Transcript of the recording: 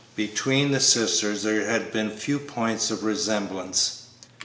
Between the sisters there had been few points of resemblance.